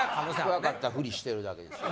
分かったフリしてるだけですよ。